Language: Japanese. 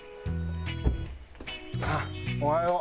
あっおはよう。